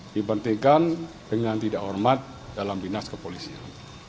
dibandingkan dengan tidak hormat dalam binas kepolisian